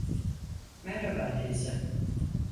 Merhaba teyze.